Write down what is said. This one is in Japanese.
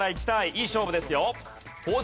いい勝負ですよ。